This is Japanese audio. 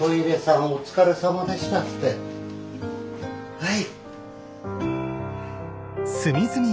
はい。